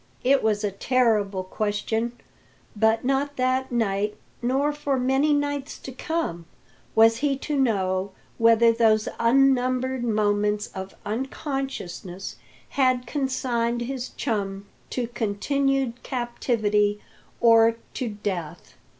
It was a terrible question; but not that night, nor for many nights to come, was he to know whether those unnumbered moments of unconsciousness had consigned his chum to continued captivity or to death.